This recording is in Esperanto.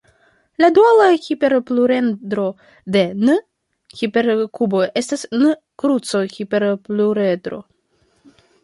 La duala hiperpluredro de "n"-hiperkubo estas "n"-kruco-hiperpluredro.